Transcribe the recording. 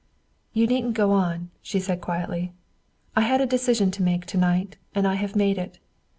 "You needn't go on," she said quietly. "I had a decision to make to night, and I have made it.